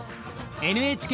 ＮＨＫ